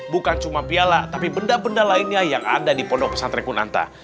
bukan cuma piala tapi benda benda lainnya yang ada di pondok pesat rekun anta